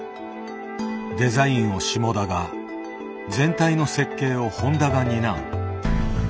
デザインを下田が全体の設計を誉田が担う。